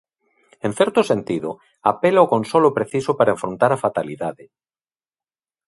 En certo sentido, apela ao consolo preciso para enfrontar a fatalidade.